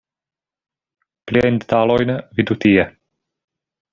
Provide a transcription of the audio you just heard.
Pliajn detalojn vidu tie.